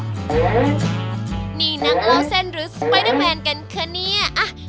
นี่นางราวเส้นหรือสไปดาแมนกันคนนี้